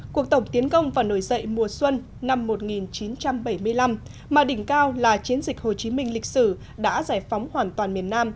cuộc tổng tiến công và nổi dậy mùa xuân năm một nghìn chín trăm bảy mươi năm mà đỉnh cao là chiến dịch hồ chí minh lịch sử đã giải phóng hoàn toàn miền nam